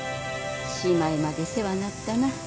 しまいまで世話なったな。